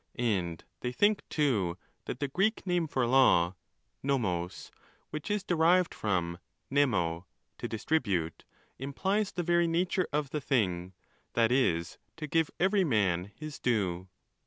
And they think, too, that the Greek name for law (vdj0s), which is derived from: véno, to distribute, implies the very nature of the thing, that is, to give every man his due.